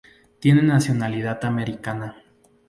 Tiene nacionalidad americana.